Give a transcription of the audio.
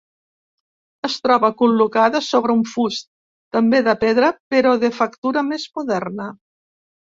Es troba col·locada sobre un fust també de pedra però de factura més moderna.